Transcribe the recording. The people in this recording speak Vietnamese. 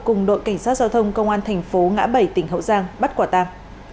cùng đội cảnh sát giao thông công an thành phố ngã bảy tỉnh hậu giang bắt quả tàng